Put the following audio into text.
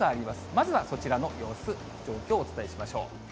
まずはそちらの様子、状況をお伝えしましょう。